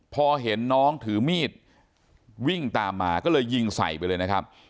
พอเห็นน้องถือมีดวิ่งตามมาก็เลยยิงใส่ไปเลยนะครับ